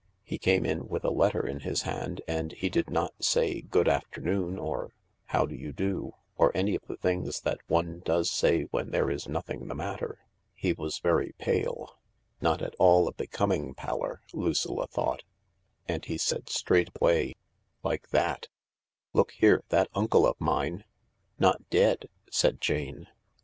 He came in with a letter in his hand, and he did not say, " Good afternoon," or " How do you do," or any of the things that one does say when there is nothing the matter. He was very pale — not at all a becoming pallor, Lucilla thought — and he said straight away— like that :Look here — that uncle of mine "" Not dead ?" said Jane.